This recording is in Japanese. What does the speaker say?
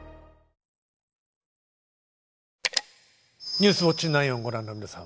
「ニュースウオッチ９」をご覧の皆さん